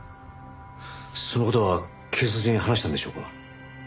その事は警察に話したんでしょうか？